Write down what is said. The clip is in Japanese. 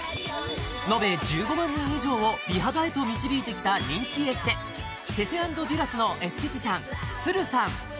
延べ１５万人以上を美肌へと導いてきた人気エステチェセ＆デュラスのエステティシャンさん